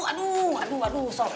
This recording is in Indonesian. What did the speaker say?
aduh aduh aduh sob